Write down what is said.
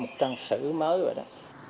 một trang sử mới vậy đó